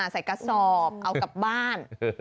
ใส่กระสอบเอากลับบ้าน